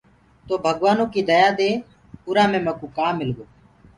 تو ڀگوآنو ڪيٚ ديا دي اُرا مي مڪوٚ ڪام مِل گو۔